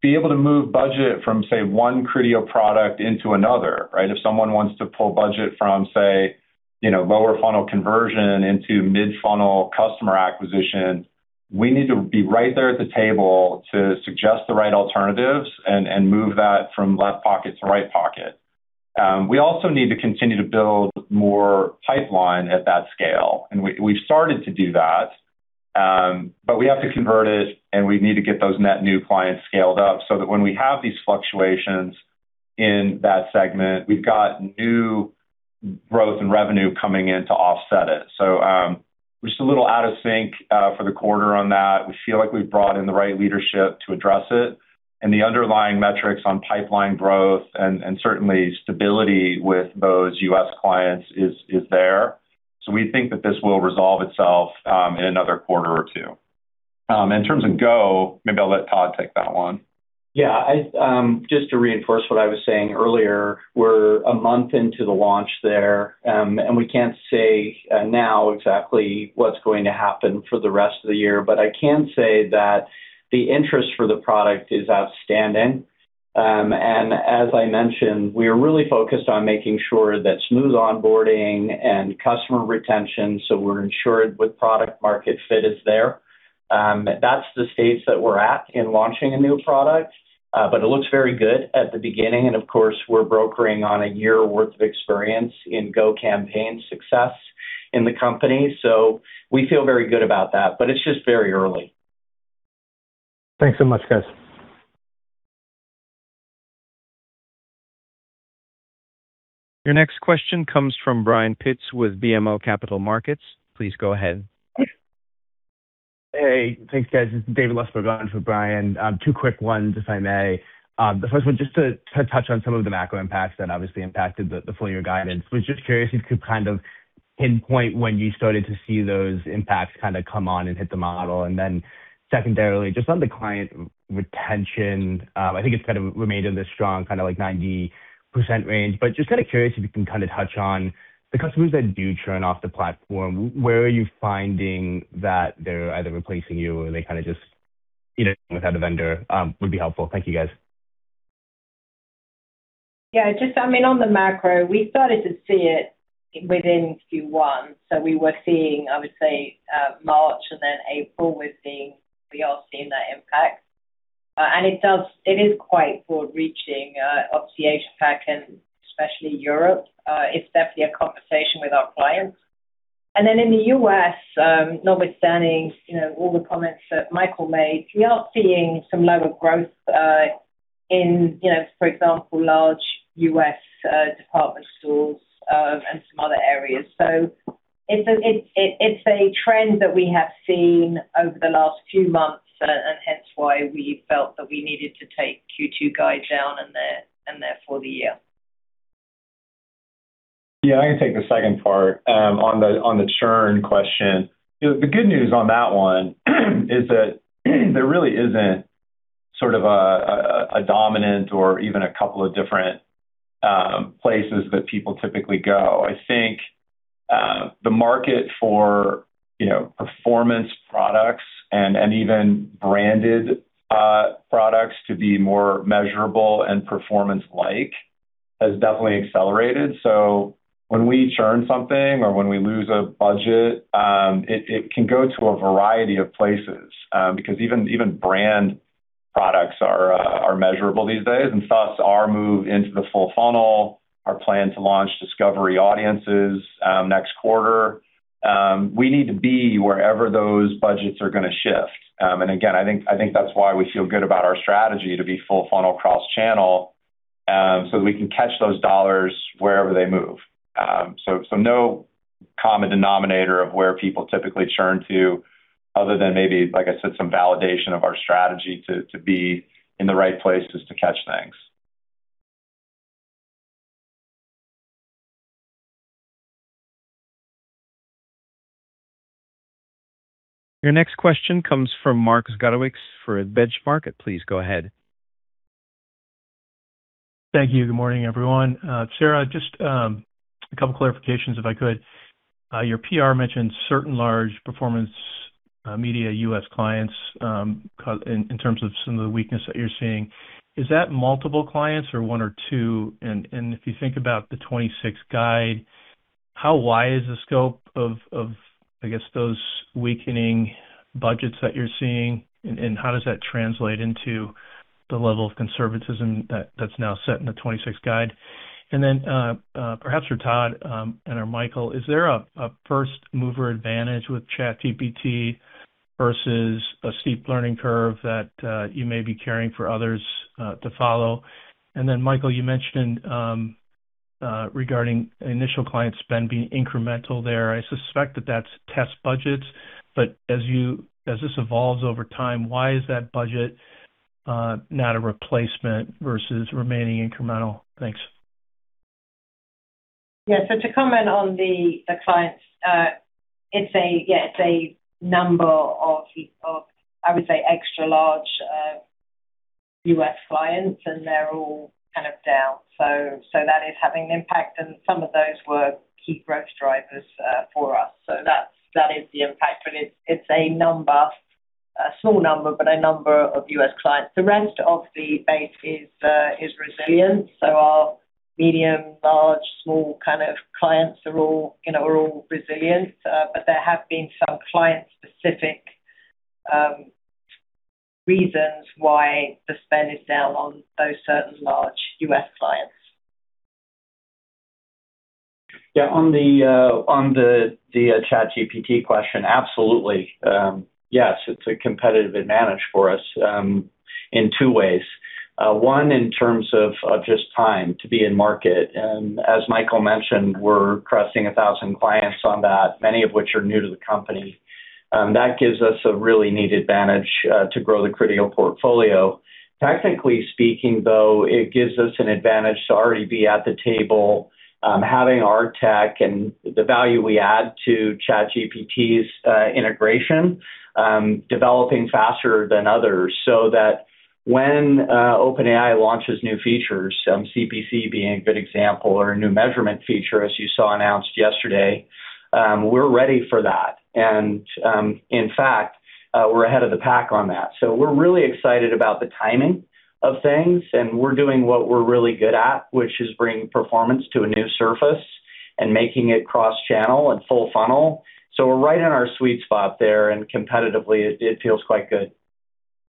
be able to move budget from, say, one Criteo product into another, right? If someone wants to pull budget from, say, you know, lower funnel conversion into mid-funnel customer acquisition, we need to be right there at the table to suggest the right alternatives and move that from left pocket to right pocket. We also need to continue to build more pipeline at that scale. We've started to do that, but we have to convert it, and we need to get those net new clients scaled up so that when we have these fluctuations in that segment, we've got new growth and revenue coming in to offset it. We're just a little out of sync for the quarter on that. We feel like we've brought in the right leadership to address it, and the underlying metrics on pipeline growth and certainly stability with those U.S. clients is there. We think that this will resolve itself in another quarter or two. In terms of Criteo GO, maybe I'll let Todd take that one. Yeah. I, just to reinforce what I was saying earlier, we're a month into the launch there. We can't say now exactly what's going to happen for the rest of the year, I can say that the interest for the product is outstanding. As I mentioned, we are really focused on making sure that smooth onboarding and customer retention, so we're ensured with product market fit is there. That's the stage that we're at in launching a new product, it looks very good at the beginning. Of course, we're brokering on a year worth of experience in GO campaign success in the company. We feel very good about that, it's just very early. Thanks so much, guys. Your next question comes from Brian Pitz with BMO Capital Markets. Please go ahead. Hey. Thanks, guys. This is David Lustberg on for Brian. Two quick ones, if I may. The first one, just to touch on some of the macro impacts that obviously impacted the full year guidance, was just curious if you could kind of pinpoint when you started to see those impacts kinda come on and hit the model. Secondarily, just on the client retention, I think it's kind of remained in this strong, kinda like 90% range. Just kinda curious if you can kinda touch on the customers that do churn off the platform, where are you finding that they're either replacing you or they kinda just, you know, without a vendor, would be helpful. Thank you, guys. Just, I mean, on the macro, we started to see it within Q1. We were seeing, I would say, March and then April, we are seeing that impact. It is quite broad reaching, obviously APAC and especially Europe. It's definitely a conversation with our clients. In the U.S., notwithstanding, you know, all the comments that Michael made, we are seeing some level of growth, in, you know, for example, large U.S. department stores, and some other areas. It's a trend that we have seen over the last few months, hence why we felt that we needed to take Q2 guide down and therefore the year. Yeah, I can take the second part. On the churn question. The good news on that one is that there really isn't sort of a dominant or even a couple of different places that people typically go. I think the market for, you know, performance products and even branded products to be more measurable and performance-like has definitely accelerated. When we churn something or when we lose a budget, it can go to a variety of places because even brand products are measurable these days. Thus, our move into the full funnel, our plan to launch discovery audiences next quarter, we need to be wherever those budgets are gonna shift. Again, I think that's why we feel good about our strategy to be full funnel cross-channel, so we can catch those dollars wherever they move. No common denominator of where people typically churn to other than maybe, like I said, some validation of our strategy to be in the right places to catch things. Your next question comes from Mark Zgutowicz for The Benchmark. Please go ahead. Thank you. Good morning, everyone. Sarah, just a couple clarifications if I could. Your PR mentioned certain large Performance Media U.S. clients in terms of some of the weakness that you're seeing. Is that multiple clients or one or two? If you think about the 2026 guide, how wide is the scope of I guess those weakening budgets that you're seeing? How does that translate into the level of conservatism that that's now set in the 2026 guide? Perhaps for Todd and/or Michael, is there a first mover advantage with ChatGPT versus a steep learning curve that you may be carrying for others to follow? Michael, you mentioned regarding initial client spend being incremental there. I suspect that that's test budgets. As this evolves over time, why is that budget not a replacement versus remaining incremental? Thanks. Yeah. To comment on the clients, it's a number of, I would say, extra large U.S. clients, they're all kind of down. That is having an impact, some of those were key growth drivers for us. That is the impact. It's a number, a small number, but a number of U.S. clients. The rest of the base is resilient. Our medium, large, small kind of clients are all, you know, resilient. There have been some client-specific reasons why the spend is down on those certain large U.S. clients. Yeah. On the ChatGPT question, absolutely. Yes, it's a competitive advantage for us in two ways. One, in terms of just time to be in market. As Michael mentioned, we're crossing 1,000 clients on that, many of which are new to the company. That gives us a really neat advantage to grow the Criteo portfolio. Technically speaking, though, it gives us an advantage to already be at the table, having our tech and the value we add to ChatGPT's integration, developing faster than others, so that when OpenAI launches new features, CPC being a good example or a new measurement feature as you saw announced yesterday, we're ready for that. In fact, we're ahead of the pack on that. We're really excited about the timing of things, and we're doing what we're really good at, which is bringing performance to a new surface and making it cross-channel and full funnel. We're right in our sweet spot there, and competitively it feels quite good.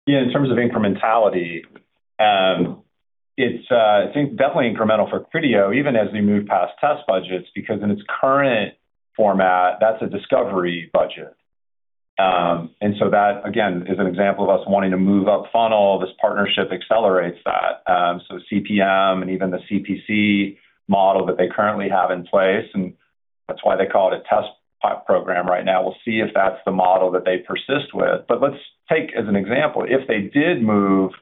Yeah. In terms of incrementality, it's, I think definitely incremental for Criteo even as we move past test budgets because in its current format, that's a discovery budget. That again is an example of us wanting to move up funnel. This partnership accelerates that. CPM and even the CPC model that they currently have in place, and that's why they call it a test program right now. We'll see if that's the model that they persist with. Let's take as an example, if they did move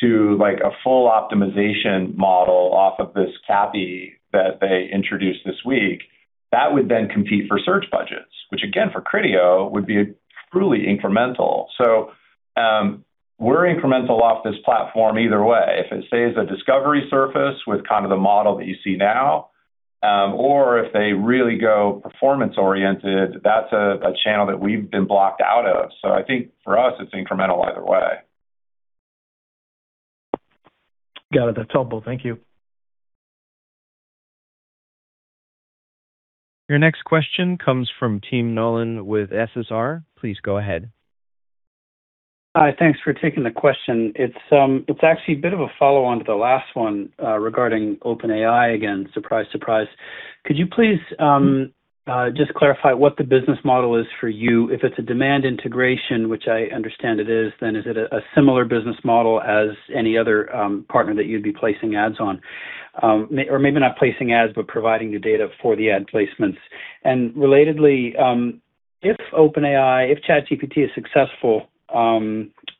to like a full optimization model off of this CAPI that they introduced this week, that would then compete for search budgets, which again, for Criteo would be truly incremental. We're incremental off this platform either way. If it stays a discovery surface with kind of the model that you see now, or if they really go performance-oriented, that's a channel that we've been blocked out of. I think for us it's incremental either way. Got it. That's helpful. Thank you. Your next question comes from Tim Nollen with SSR. Please go ahead. Hi. Thanks for taking the question. It's actually a bit of a follow-on to the last one, regarding OpenAI again, surprise. Could you please just clarify what the business model is for you? If it's a demand integration, which I understand it is it a similar business model as any other partner that you'd be placing ads on? Maybe not placing ads, but providing the data for the ad placements. Relatedly, if OpenAI, if ChatGPT is successful,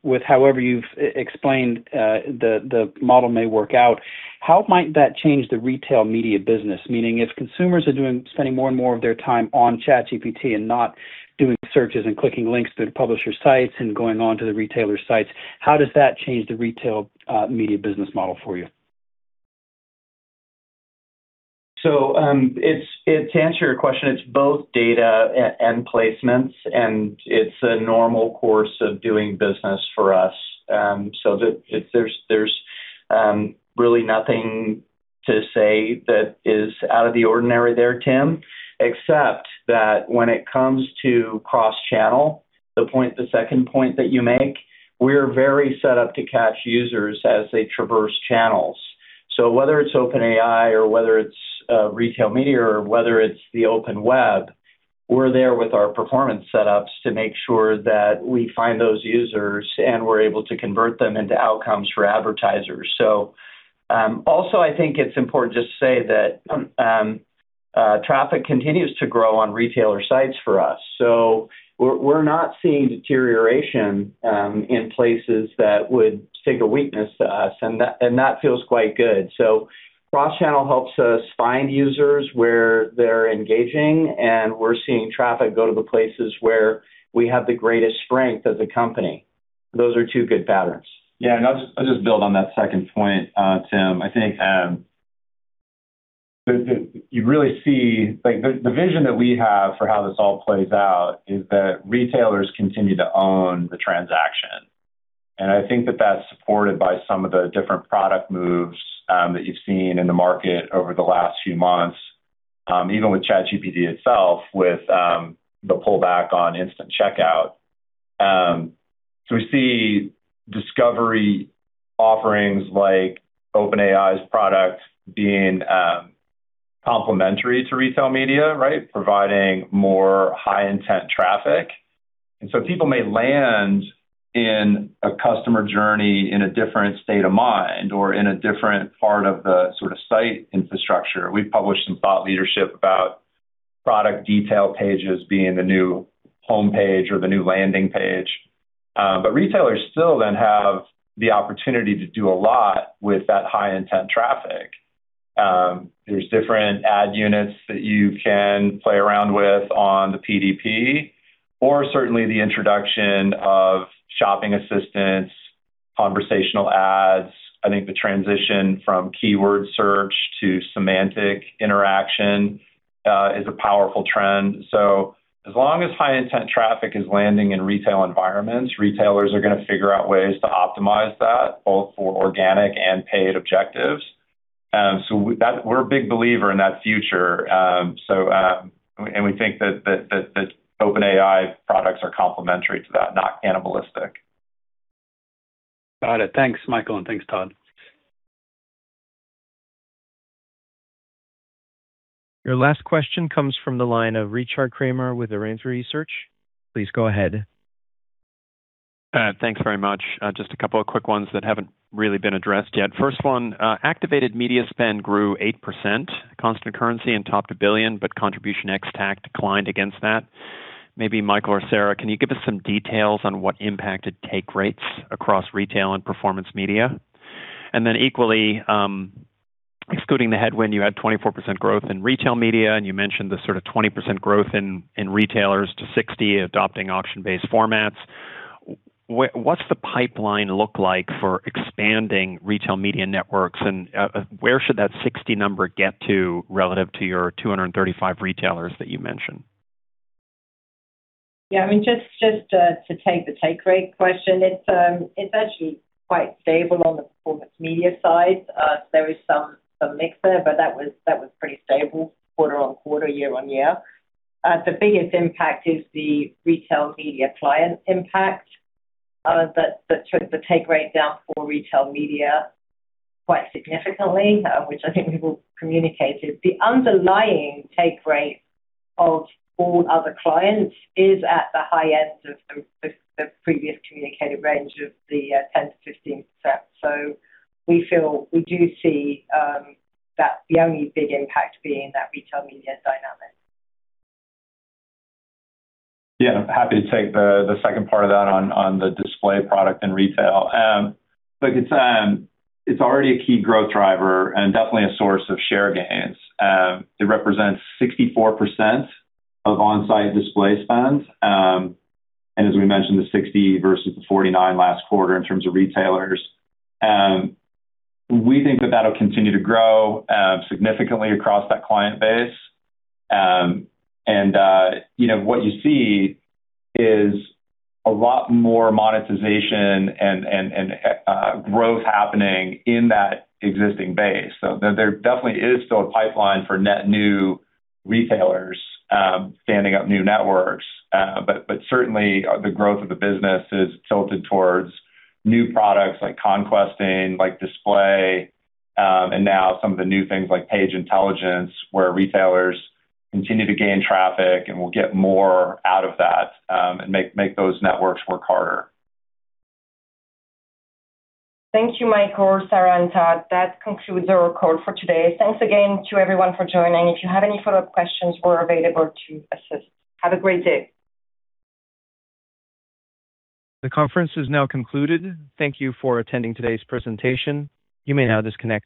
with however you've explained the model may work out, how might that change the Retail Media business? Meaning if consumers are spending more and more of their time on ChatGPT and not doing searches and clicking links to the publisher sites and going on to the retailer sites, how does that change the Retail Media business model for you? It's, to answer your question, it's both data and placements, and it's a normal course of doing business for us. There's really nothing to say that is out of the ordinary there, Tim, except that when it comes to cross-channel, the point, the second point that you make, we're very set up to catch users as they traverse channels. Whether it's OpenAI or whether it's Retail Media or whether it's the open web, we're there with our performance setups to make sure that we find those users, and we're able to convert them into outcomes for advertisers. Also I think it's important just to say that traffic continues to grow on retailer sites for us. We're not seeing deterioration in places that would signal weakness to us, and that feels quite good. Cross-channel helps us find users where they're engaging, and we're seeing traffic go to the places where we have the greatest strength as a company. Those are two good patterns. I'll just build on that second point, Tim. You really see Like, the vision that we have for how this all plays out is that retailers continue to own the transaction. I think that that's supported by some of the different product moves that you've seen in the market over the last few months, even with ChatGPT itself, with the pullback on instant checkout. We see discovery offerings like OpenAI's product being complementary to Retail Media, right? Providing more high-intent traffic. People may land in a customer journey in a different state of mind or in a different part of the sort of site infrastructure. We've published some thought leadership about product detail pages being the new homepage or the new landing page. Retailers still then have the opportunity to do a lot with that high-intent traffic. There's different ad units that you can play around with on the PDP or certainly the introduction of shopping assistants, conversational ads. I think the transition from keyword search to semantic interaction is a powerful trend. As long as high-intent traffic is landing in retail environments, retailers are gonna figure out ways to optimize that, both for organic and paid objectives. That, we're a big believer in that future. And we think that OpenAI products are complementary to that, not cannibalistic. Got it. Thanks, Michael, and thanks, Todd. Your last question comes from the line of Richard Kramer with Arete Research. Please go ahead. Thanks very much. Just a couple of quick ones that haven't really been addressed yet. First one, activated media spend grew 8% constant currency and topped $1 billion, but Contribution ex-TAC declined against that. Maybe Michael or Sarah, can you give us some details on what impact did take rates across retail and Performance Media? Equally, excluding the headwind, you had 24% growth in Retail Media, and you mentioned the sort of 20% growth in retailers to 60 adopting auction-based formats. What's the pipeline look like for expanding Retail Media networks, and where should that 60 number get to relative to your 235 retailers that you mentioned? Yeah. I mean, just to take the take rate question, it's actually quite stable on the Performance Media side. There is some mix there, but that was pretty stable quarter-on-quarter, year-on-year. The biggest impact is the Retail Media client impact that took the take rate down for Retail Media quite significantly, which I think we will communicate is the underlying take rate of all other clients is at the high end of the previous communicated range of the 10%-15%. We do see that the only big impact being that Retail Media dynamic. Yeah. Happy to take the second part of that on the display product and retail. Look, it's already a key growth driver and definitely a source of share gains. It represents 64% of on-site display spends. As we mentioned, the 60 versus the 49 last quarter in terms of retailers. We think that that'll continue to grow significantly across that client base. You know, what you see is a lot more monetization and growth happening in that existing base. There definitely is still a pipeline for net new retailers standing up new networks. Certainly the growth of the business is tilted towards new products like conquesting, like display, and now some of the new things like Page Intelligence, where retailers continue to gain traffic and will get more out of that, and make those networks work harder. Thank you, Michael, Sarah, and Todd. That concludes our call for today. Thanks again to everyone for joining. If you have any follow-up questions, we're available to assist. Have a great day.